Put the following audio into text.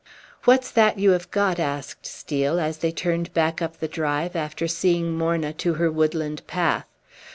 "What's that you have got?" asked Steel, as they turned back up the drive, after seeing Morna to her woodland path.